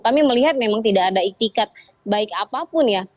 kami melihat memang tidak ada iktikat baik apapun ya